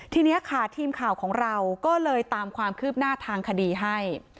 ทีนี้ค่ะทีมข่าวของเราก็เลยตามความคืบหน้าทางคดีให้